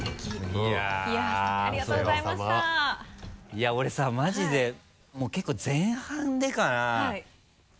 いや俺さマジでもう結構前半でかな？